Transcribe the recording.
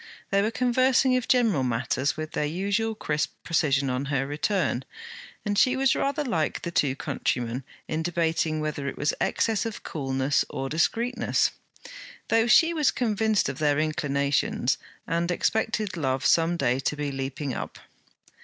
They were conversing of general matters with their usual crisp precision on her return, and she was rather like the two countrymen, in debating whether it was excess of coolness or discreetness; though she was convinced of their inclinations, and expected love some day to be leaping up.